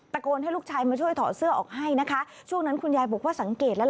โกนให้ลูกชายมาช่วยถอดเสื้อออกให้นะคะช่วงนั้นคุณยายบอกว่าสังเกตแล้ว